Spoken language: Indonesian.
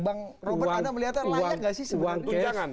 bang robert anda melihatnya layak gak sih sebenarnya